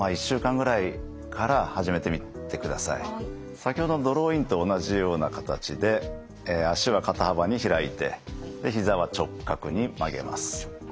先ほどのドローインと同じような形で足は肩幅に開いてひざは直角に曲げます。